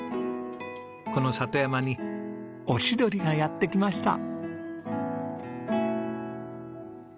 この里山にオシドリがやって来ました。